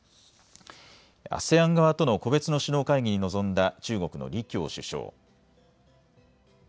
ＡＳＥＡＮ側との個別の首脳会議に臨んだ中国の李強首相。